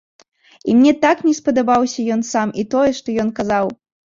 І мне так не спадабаўся ён сам і тое, што ён казаў.